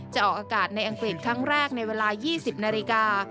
จะออกอากาศในอังกฤษครั้งแรกในเวลา๒๐นาฬิกา